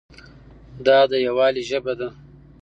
دا د یووالي ژبه ده.